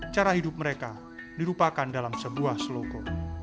cara hidup mereka dirupakan dalam sebuah selogo